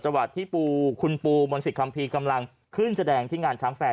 วัดที่ปูคุณปูมนศิษคัมภีร์กำลังขึ้นแสดงที่งานช้างแฟร์